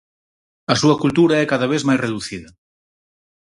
A súa cultura é cada vez máis reducida.